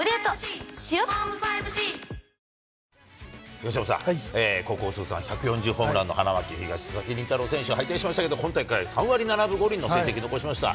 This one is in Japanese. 由伸さん、高校通算１４０ホームランの花巻東、佐々木麟太郎選手、敗退しましたけど今大会３割７分５厘の成績残しました。